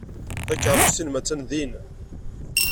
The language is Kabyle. Takeṛṛust-nnem attan din.